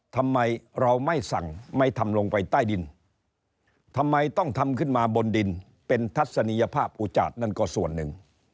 ทำไมเราไม่สั่งไม่ทำลงไปใต้ดินทำไมต้องทำขึ้นมาบนดินเป็นทัศนียภาพอุจาตนั่นก็ส่วนหนึ่ง